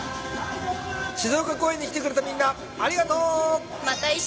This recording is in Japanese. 静岡こうえんに来てくれたみんなありがとう！